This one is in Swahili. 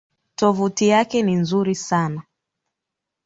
Tovuti yake ni nzuri sana.